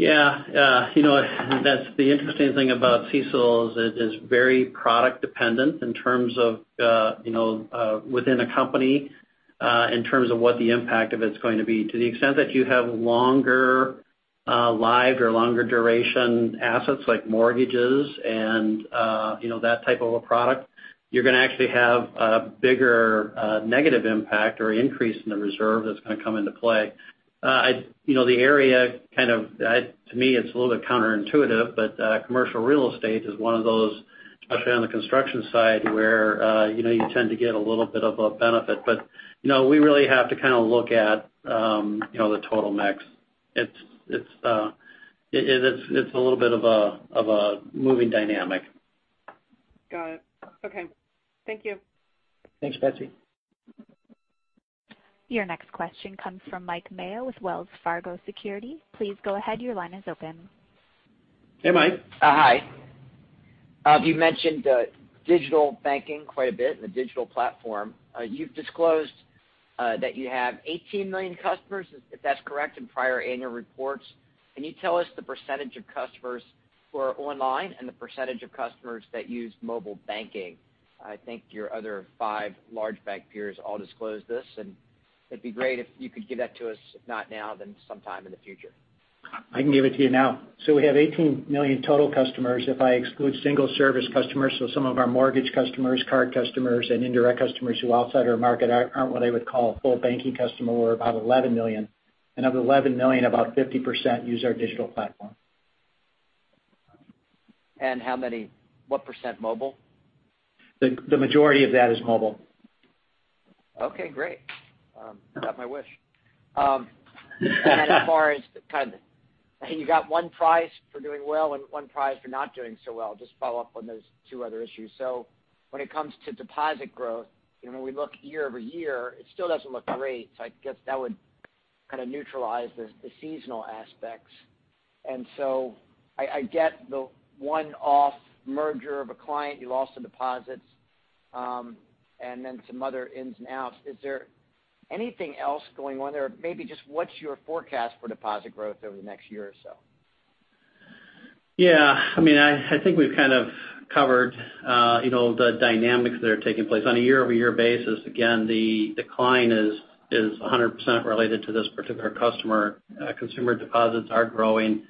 Yeah. The interesting thing about CECL is it is very product dependent in terms of within a company, in terms of what the impact of it's going to be. To the extent that you have longer lived or longer duration assets like mortgages and that type of a product, you're going to actually have a bigger negative impact or increase in the reserve that's going to come into play. The area kind of, to me, it's a little bit counterintuitive, but commercial real estate is one of those, especially on the construction side, where you tend to get a little bit of a benefit. We really have to kind of look at the total mix. It's a little bit of a moving dynamic. Got it. Okay. Thank you. Thanks, Betsy. Your next question comes from Mike Mayo with Wells Fargo Securities. Please go ahead. Your line is open. Hey, Mike. Hi. You mentioned digital banking quite a bit and the digital platform. You've disclosed that you have 18 million customers, if that's correct, in prior annual reports. Can you tell us the % of customers who are online and the % of customers that use mobile banking? I think your other five large bank peers all disclose this, and it'd be great if you could give that to us, if not now, then sometime in the future. I can give it to you now. We have 18 million total customers. If I exclude single service customers, some of our mortgage customers, card customers, and indirect customers who outside our market aren't what I would call a full banking customer, we're about 11 million. Of 11 million, about 50% use our digital platform. What % mobile? The majority of that is mobile. Okay, great. Got my wish. As far as kind of you got one prize for doing well and one prize for not doing so well, just follow up on those two other issues. When it comes to deposit growth, when we look year-over-year, it still doesn't look great. I guess that would kind of neutralize the seasonal aspects. I get the one-off merger of a client, you lost the deposits. Some other ins and outs. Is there anything else going on there? Maybe just what's your forecast for deposit growth over the next year or so? Yeah. I think we've kind of covered the dynamics that are taking place. On a year-over-year basis, again, the decline is 100% related to this particular customer. Consumer deposits are growing.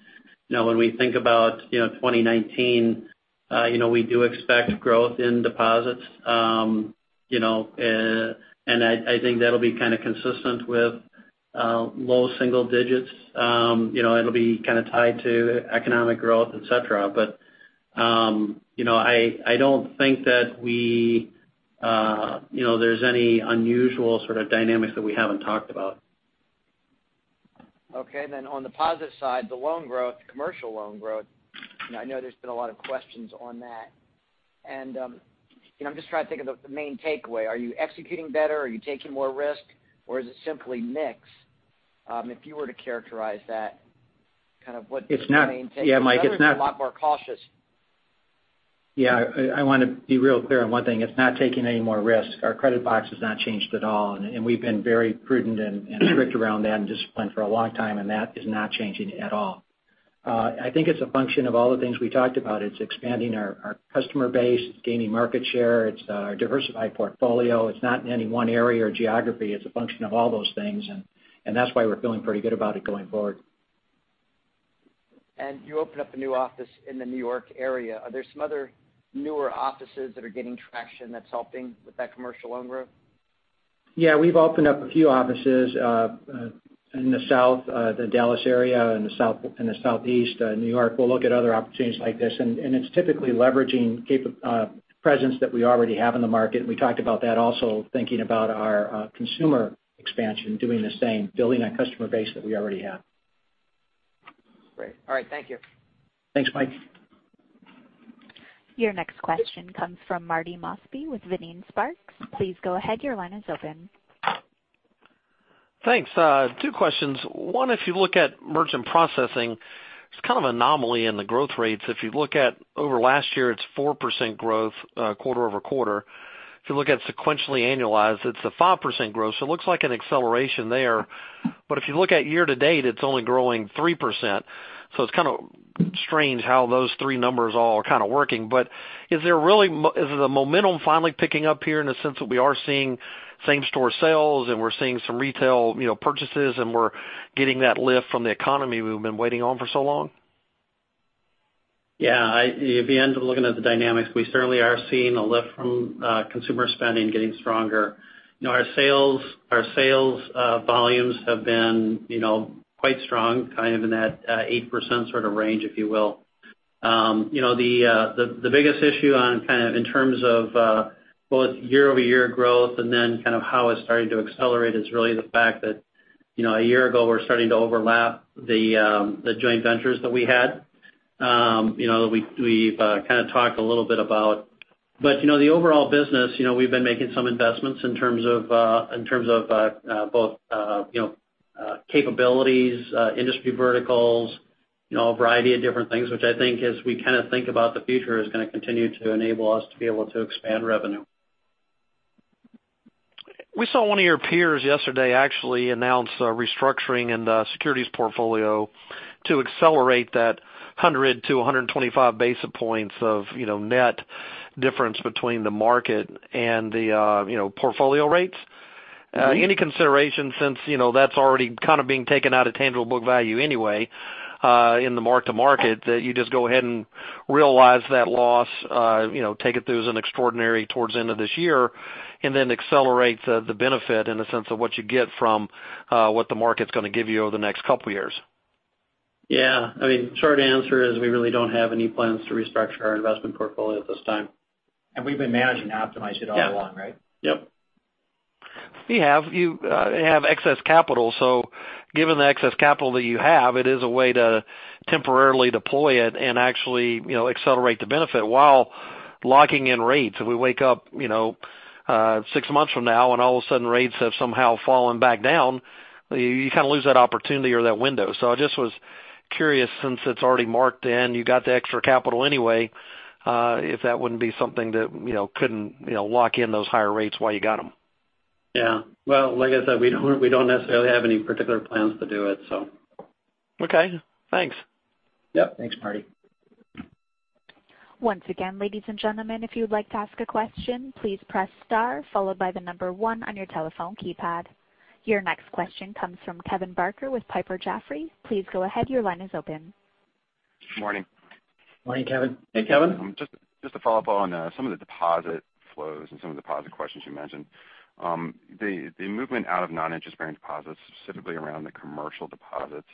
When we think about 2019, we do expect growth in deposits. I think that'll be kind of consistent with low single digits. It'll be kind of tied to economic growth, et cetera. I don't think that there's any unusual sort of dynamics that we haven't talked about. Okay, on the positive side, the loan growth, commercial loan growth, I know there's been a lot of questions on that. I'm just trying to think of the main takeaway. Are you executing better? Are you taking more risk? Or is it simply mix? If you were to characterize that, kind of what- It's not- The main take- Yeah, Mike. Others are a lot more cautious. Yeah, I want to be real clear on one thing. It's not taking any more risk. Our credit box has not changed at all, and we've been very prudent and strict around that and disciplined for a long time, and that is not changing at all. I think it's a function of all the things we talked about. It's expanding our customer base. It's gaining market share. It's our diversified portfolio. It's not in any one area or geography. It's a function of all those things, and that's why we're feeling pretty good about it going forward. You opened up a new office in the New York area. Are there some other newer offices that are getting traction that's helping with that commercial loan growth? Yeah, we've opened up a few offices, in the south, the Dallas area, in the southeast, New York. It's typically leveraging presence that we already have in the market. We talked about that also, thinking about our consumer expansion, doing the same, building on customer base that we already have. Great. All right, thank you. Thanks, Mike. Your next question comes from Marty Mosby with Vining Sparks. Please go ahead, your line is open. Thanks. Two questions. One, if you look at merchant processing, it's kind of anomaly in the growth rates. If you look at over last year, it's 4% growth quarter-over-quarter. If you look at sequentially annualized, it's a 5% growth. It looks like an acceleration there. If you look at year-to-date, it's only growing 3%. It's kind of strange how those three numbers all are kind of working. Is the momentum finally picking up here in the sense that we are seeing same-store sales and we're seeing some retail purchases and we're getting that lift from the economy we've been waiting on for so long? Yeah. If you end up looking at the dynamics, we certainly are seeing a lift from consumer spending getting stronger. Our sales volumes have been quite strong, kind of in that 8% sort of range, if you will. The biggest issue on kind of in terms of both year-over-year growth and then kind of how it's starting to accelerate is really the fact that a year ago we're starting to overlap the joint ventures that we had. We've kind of talked a little bit about. The overall business, we've been making some investments in terms of both capabilities, industry verticals, a variety of different things, which I think as we kind of think about the future is going to continue to enable us to be able to expand revenue. We saw one of your peers yesterday actually announce a restructuring in the securities portfolio to accelerate that 100 to 125 basis points of net difference between the market and the portfolio rates. Any consideration since that's already kind of being taken out of tangible book value anyway, in the mark-to-market, that you just go ahead and realize that loss, take it through as an extraordinary towards the end of this year, and then accelerate the benefit in the sense of what you get from what the market's going to give you over the next couple years? Yeah. I mean, short answer is we really don't have any plans to restructure our investment portfolio at this time. We've been managing to optimize it all along, right? Yep. You have excess capital. Given the excess capital that you have, it is a way to temporarily deploy it and actually accelerate the benefit while locking in rates. If we wake up six months from now and all of a sudden rates have somehow fallen back down, you kind of lose that opportunity or that window. I just was curious, since it's already marked in, you got the extra capital anyway, if that wouldn't be something that couldn't lock in those higher rates while you got them. Yeah. Well, like I said, we don't necessarily have any particular plans to do it, so. Okay, thanks. Yep. Thanks, Marty. Once again, ladies and gentlemen, if you would like to ask a question, please press star followed by the number one on your telephone keypad. Your next question comes from Kevin Barker with Piper Jaffray. Please go ahead, your line is open. Morning. Morning, Kevin. Hey, Kevin. Just to follow up on some of the deposit flows and some of the deposit questions you mentioned. The movement out of non-interest-bearing deposits, specifically around the commercial deposits,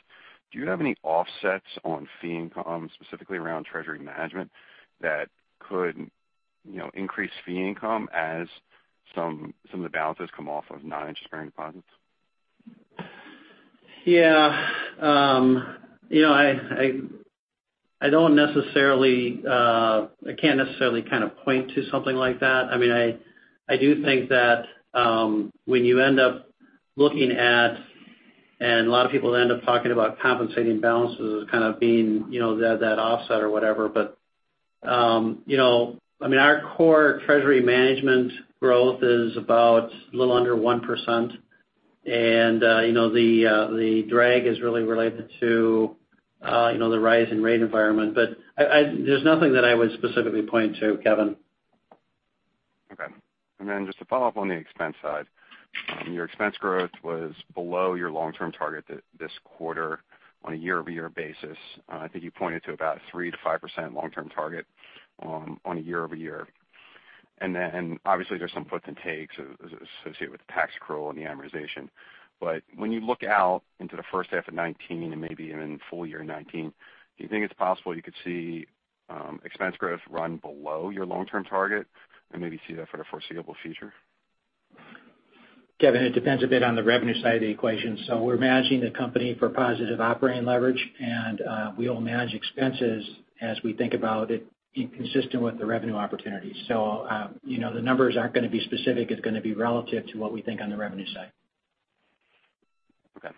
do you have any offsets on fee income, specifically around treasury management that could increase fee income as some of the balances come off of non-interest-bearing deposits? Yeah. I can't necessarily kind of point to something like that. I do think that when you end up looking at a lot of people end up talking about compensating balances as kind of being that offset or whatever. Our core treasury management growth is about a little under 1%, and the drag is really related to the rise in rate environment. There's nothing that I would specifically point to, Kevin. Okay. Just to follow up on the expense side. Your expense growth was below your long-term target this quarter on a year-over-year basis. I think you pointed to about 3%-5% long-term target on a year-over-year. Obviously there's some puts and takes associated with the tax accrual and the amortization. When you look out into the first half of 2019 and maybe even full year 2019, do you think it's possible you could see expense growth run below your long-term target and maybe see that for the foreseeable future? Kevin, it depends a bit on the revenue side of the equation. We're managing the company for positive operating leverage, and we'll manage expenses as we think about it being consistent with the revenue opportunities. The numbers aren't going to be specific. It's going to be relative to what we think on the revenue side. Okay.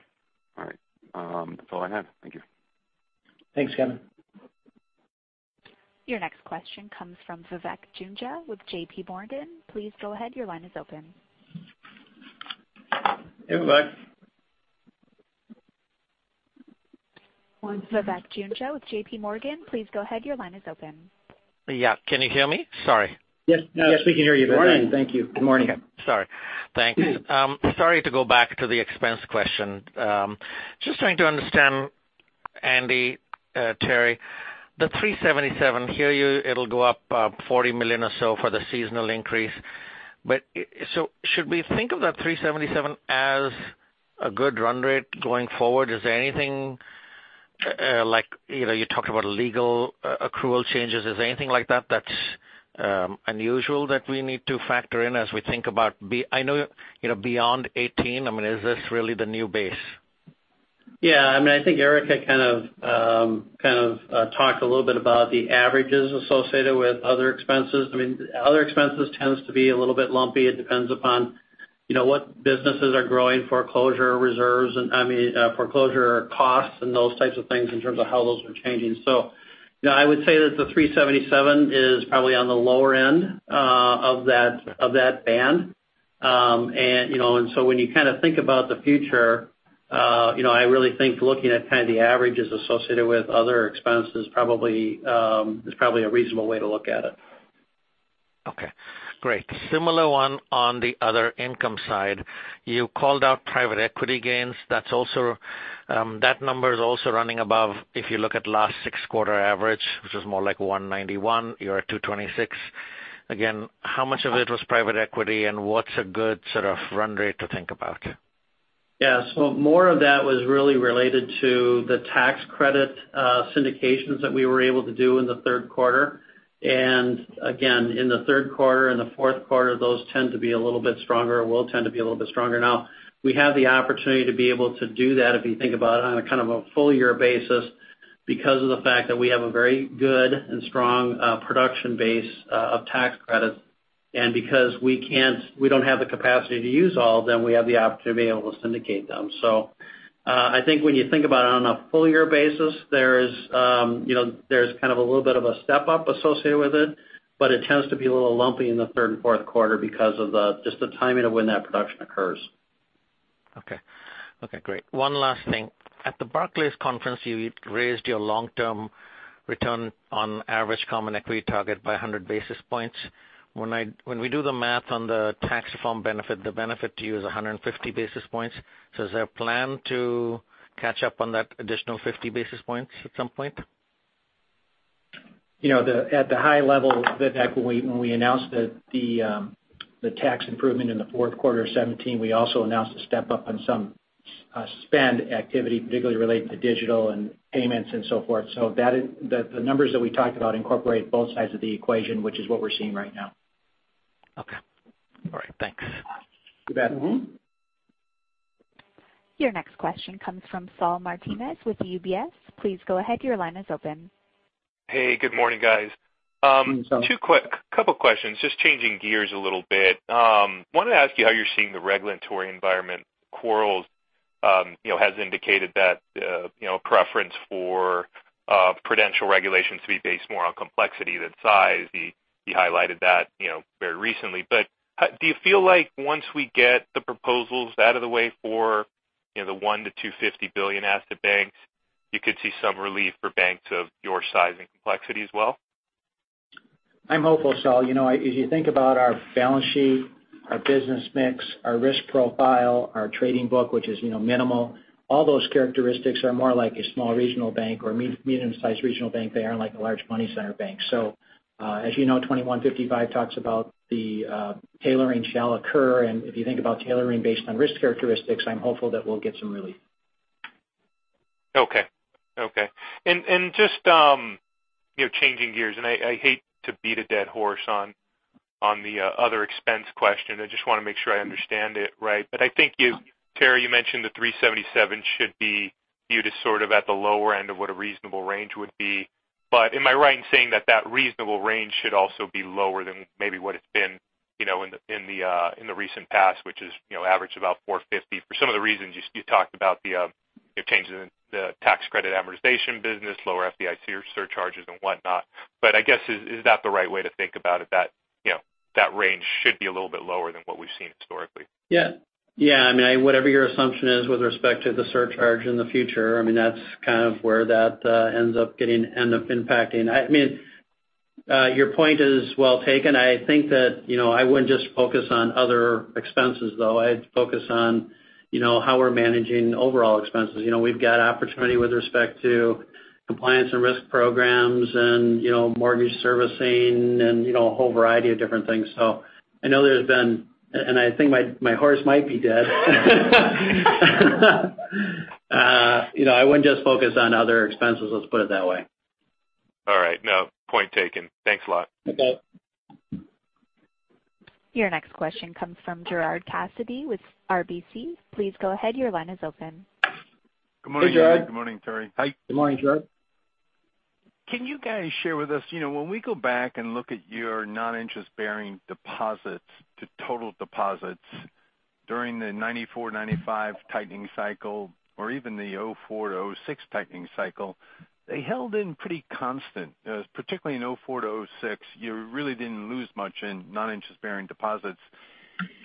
All right. That's all I have. Thank you. Thanks, Kevin. Your next question comes from Vivek Juneja with JP Morgan. Please go ahead, your line is open. Hey, Vivek. Vivek Juneja with JP Morgan, please go ahead. Your line is open. Yeah. Can you hear me? Sorry. Yes, we can hear you, Vivek. Thank you. Good morning. Sorry. Thanks. Sorry to go back to the expense question. Just trying to understand, Andy, Terry, the $377. Hear you, it'll go up $40 million or so for the seasonal increase. Should we think of that $377 as a good run rate going forward? Is there anything like, you talked about legal accrual changes. Is there anything like that that's unusual that we need to factor in as we think about beyond 2018, is this really the new base? Yeah. I think Erika had kind of talked a little bit about the averages associated with other expenses. Other expenses tends to be a little bit lumpy. It depends upon what businesses are growing, foreclosure reserves, I mean, foreclosure costs and those types of things in terms of how those are changing. I would say that the $377 is probably on the lower end of that band. When you think about the future, I really think looking at kind of the averages associated with other expenses is probably a reasonable way to look at it. Okay. Great. Similar one on the other income side. You called out private equity gains. That number is also running above if you look at last six quarter average, which is more like $191, you're at $226. Again, how much of it was private equity and what's a good sort of run rate to think about? Yeah. More of that was really related to the tax credit syndications that we were able to do in the third quarter. Again, in the third quarter and the fourth quarter, those tend to be a little bit stronger, or will tend to be a little bit stronger. Now, we have the opportunity to be able to do that, if you think about it on a kind of a full year basis because of the fact that we have a very good and strong production base of tax credits. Because we don't have the capacity to use all of them, we have the opportunity to be able to syndicate them. I think when you think about it on a full year basis, there's kind of a little bit of a step up associated with it, but it tends to be a little lumpy in the third and fourth quarter because of just the timing of when that production occurs. Okay. Great. One last thing. At the Barclays conference, you raised your long-term return on average common equity target by 100 basis points. When we do the math on the tax reform benefit, the benefit to you is 150 basis points. Is there a plan to catch up on that additional 50 basis points at some point? At the high level, Vivek, when we announced the tax improvement in the fourth quarter of 2017, we also announced a step up in some spend activity, particularly related to digital and payments and so forth. The numbers that we talked about incorporate both sides of the equation, which is what we're seeing right now. Okay. All right. Thanks. You bet. Your next question comes from Saul Martinez with UBS. Please go ahead. Your line is open. Hey, good morning, guys. Morning, Saul. Two quick, couple questions. Just changing gears a little bit. Wanted to ask you how you're seeing the regulatory environment. Regulators has indicated that preference for prudential regulations to be based more on complexity than size. You highlighted that very recently. Do you feel like once we get the proposals out of the way for the one to 250 billion asset banks, you could see some relief for banks of your size and complexity as well? I'm hopeful, Saul. As you think about our balance sheet, our business mix, our risk profile, our trading book which is minimal, all those characteristics are more like a small regional bank or medium-sized regional bank. They aren't like a large money center bank. As you know, S. 2155 talks about the tailoring shall occur, and if you think about tailoring based on risk characteristics, I'm hopeful that we'll get some relief. Okay. Just changing gears, and I hate to beat a dead horse on the other expense question. I just want to make sure I understand it right. I think you, Terry, you mentioned the $377 should be viewed as sort of at the lower end of what a reasonable range would be. Am I right in saying that reasonable range should also be lower than maybe what it's been in the recent past, which has averaged about $450. For some of the reasons you talked about, the changes in the tax credit amortization business, lower FDIC surcharges and whatnot. I guess, is that the right way to think about it, that range should be a little bit lower than what we've seen historically? Yeah. Whatever your assumption is with respect to the surcharge in the future, that's kind of where that ends up impacting. Your point is well taken. I think that I wouldn't just focus on other expenses, though. I'd focus on how we're managing overall expenses. We've got opportunity with respect to compliance and risk programs and mortgage servicing and a whole variety of different things. I know there's been, and I think my horse might be dead. I wouldn't just focus on other expenses, let's put it that way. All right. No, point taken. Thanks a lot. Okay. Your next question comes from Gerard Cassidy with RBC. Please go ahead, your line is open. Hey, Gerard. Good morning, Andy. Good morning, Terry. Hi. Good morning, Gerard. Can you guys share with us, when we go back and look at your non-interest bearing deposits to total deposits during the 1994, 1995 tightening cycle, or even the 2004 to 2006 tightening cycle, they held in pretty constant. Particularly in 2004 to 2006, you really didn't lose much in non-interest bearing deposits.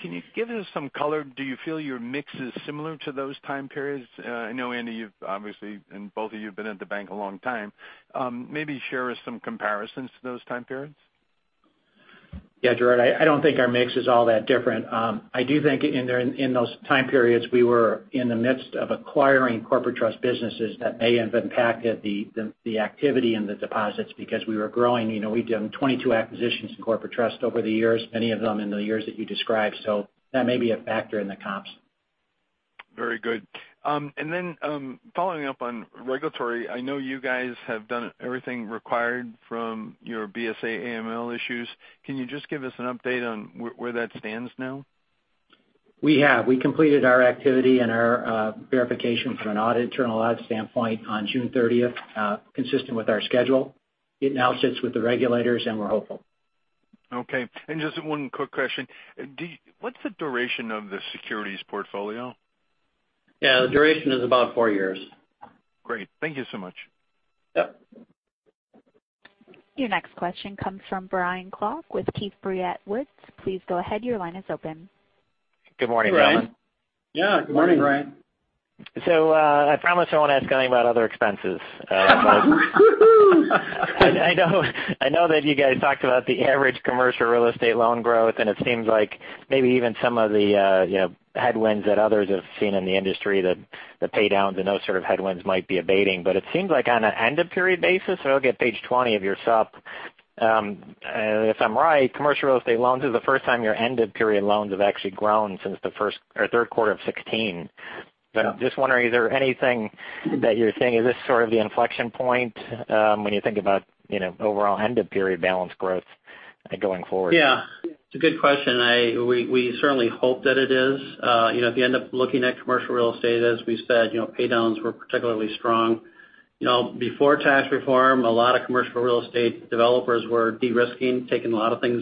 Can you give us some color? Do you feel your mix is similar to those time periods? I know, Andy, you've obviously, and both of you have been at the bank a long time. Maybe share with us some comparisons to those time periods. Yeah, Gerard, I don't think our mix is all that different. I do think in those time periods, we were in the midst of acquiring corporate trust businesses that may have impacted the activity in the deposits because we were growing. We'd done 22 acquisitions in corporate trust over the years, many of them in the years that you described. That may be a factor in the comps. Very good. Following up on regulatory, I know you guys have done everything required from your BSA/AML issues. Can you just give us an update on where that stands now? We completed our activity and our verification from an internal audit standpoint on June 30th, consistent with our schedule. It now sits with the regulators and we're hopeful. Okay. Just one quick question. What's the duration of the securities portfolio? Yeah, the duration is about four years. Great. Thank you so much. Yep. Your next question comes from Brian Klock with Keefe, Bruyette & Woods. Please go ahead, your line is open. Good morning, gentlemen. Yeah, good morning, Brian. I promise I won't ask anything about other expenses. Woo-hoo. I know that you guys talked about the average commercial real estate loan growth. It seems like maybe even some of the headwinds that others have seen in the industry, the pay downs and those sort of headwinds might be abating. It seems like on an end-of-period basis, so I look at page 20 of your sup. If I'm right, commercial real estate loans is the first time your end-of-period loans have actually grown since the third quarter of 2016. Yeah. Just wondering, is there anything that you're seeing? Is this sort of the inflection point when you think about overall end-of-period balance growth going forward? Yeah. It's a good question. We certainly hope that it is. If you end up looking at commercial real estate, as we said, pay downs were particularly strong. Before tax reform, a lot of commercial real estate developers were de-risking, taking a lot of their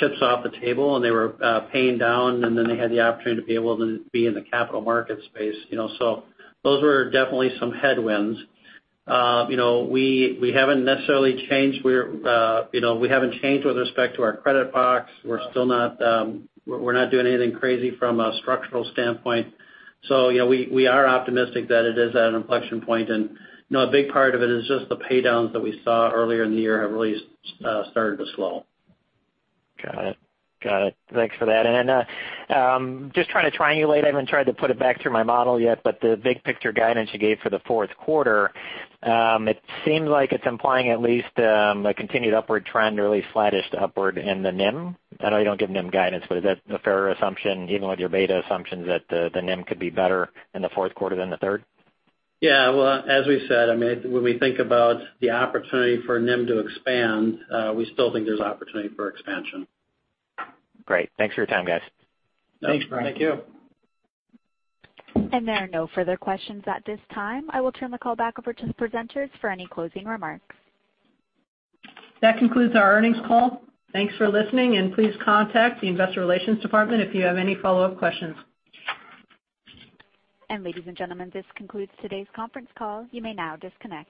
chips off the table. They were paying down, then they had the opportunity to be able to be in the capital market space. Those were definitely some headwinds. We haven't necessarily changed. We haven't changed with respect to our credit box. We're not doing anything crazy from a structural standpoint. We are optimistic that it is at an inflection point. A big part of it is just the pay downs that we saw earlier in the year have really started to slow. Got it. Thanks for that. Just trying to triangulate, I haven't tried to put it back through my model yet. The big picture guidance you gave for the fourth quarter, it seems like it's implying at least a continued upward trend, or at least flattish to upward in the NIM. I know you don't give NIM guidance, is that a fair assumption, even with your beta assumptions, that the NIM could be better in the fourth quarter than the third? Yeah. Well, as we said, when we think about the opportunity for NIM to expand, we still think there's opportunity for expansion. Great. Thanks for your time, guys. Thanks, Brian. Thank you. There are no further questions at this time. I will turn the call back over to the presenters for any closing remarks. That concludes our earnings call. Thanks for listening, and please contact the investor relations department if you have any follow-up questions. Ladies and gentlemen, this concludes today's conference call. You may now disconnect.